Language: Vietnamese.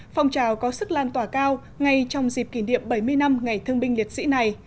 phong trào có sức lan tỏa cao ngay trong dịp kỷ niệm bảy mươi năm ngày thương binh liệt sĩ này